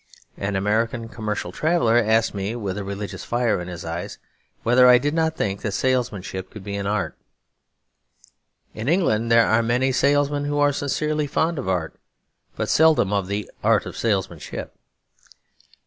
An American commercial traveller asked me, with a religious fire in his eyes, whether I did not think that salesmanship could be an art. In England there are many salesmen who are sincerely fond of art; but seldom of the art of salesmanship.